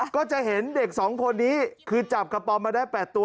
ก็จะเห็นเด็ก๒คนนี้คือจับกระป๋อมมาได้๘ตัว